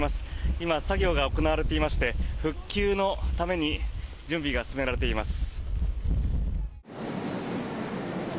今、作業が行われていまして復旧のために準備が進められています。